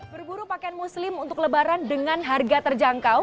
berburu pakaian muslim untuk lebaran dengan harga terjangkau